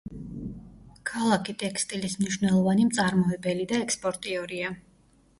ქალაქი ტექსტილის მნიშვნელოვანი მწარმოებელი და ექსპორტიორია.